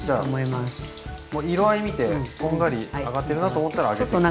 色合い見てこんがり揚がってるなと思ったらあげていい？